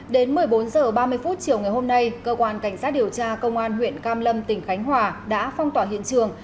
đến một mươi bốn h ba mươi chiều ngày hôm nay cơ quan cảnh sát điều tra công an huyện cam lâm tỉnh khánh hòa đã phong tỏa hiện trường